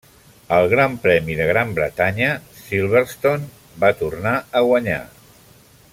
Al Gran Premi de Gran Bretanya, Silverstone, va tornar a guanyar.